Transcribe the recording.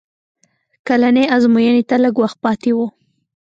کلنۍ ازموینې ته لږ وخت پاتې و